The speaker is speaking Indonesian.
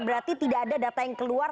berarti tidak ada data yang keluar